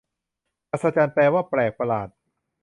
อัศจรรย์ แปลว่าแปลกประหลาด